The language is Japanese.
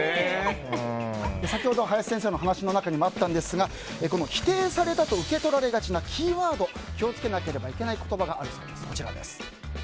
先ほど林先生の話の中にもあったんですが否定されたと受け取られがちなキーワード気を付けなければいけない言葉があるそうです。